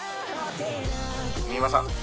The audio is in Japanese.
「三馬さん？